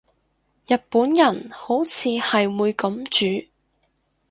日本人好似係會噉煮